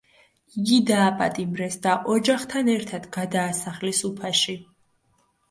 იგი დაპატიმრეს და ოჯახთან ერთად გადაასახლეს უფაში.